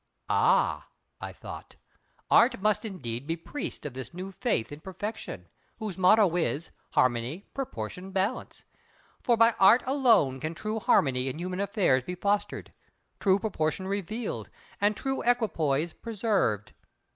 Ah! I thought Art must indeed be priest of this new faith in Perfection, whose motto is: "Harmony, Proportion, Balance." For by Art alone can true harmony in human affairs be fostered, true Proportion revealed, and true Equipoise preserved.